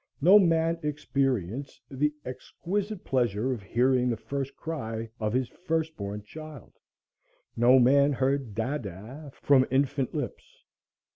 No man experienced the exquisite pleasure of hearing the first cry of his first born child; no man heard "Dada," from infant lips.